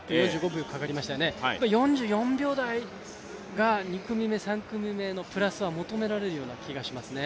４５秒かかりましたよね、４４秒台は２組目、３組目のプラスは求められるような気がしますね。